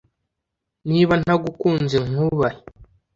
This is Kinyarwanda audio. niba ntagukunze nkubahe